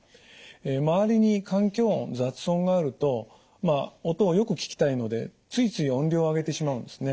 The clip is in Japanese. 周りに環境音雑音があるとまあ音をよく聞きたいのでついつい音量を上げてしまうんですね。